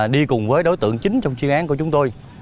đi cùng với đối tượng chính trong chuyên án của chúng tôi